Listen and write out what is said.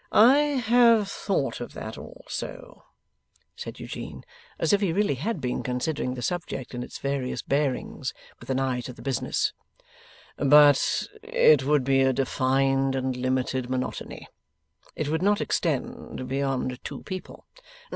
'I have thought of that also,' said Eugene, as if he really had been considering the subject in its various bearings with an eye to the business; 'but it would be a defined and limited monotony. It would not extend beyond two people.